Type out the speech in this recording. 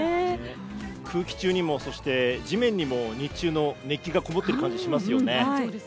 空気中にもそして地面にも日中の熱気がこもってる感じしますよね。